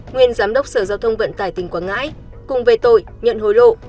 nguyên giám đốc sở giao thông vận tải tỉnh quảng ngãi cùng về tội nhận hối lộ